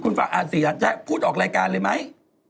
คุณฝากพูดออกรายการเลยไหม